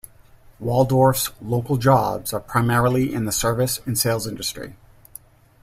Waldorf's local jobs are primarily in the service and sales industry.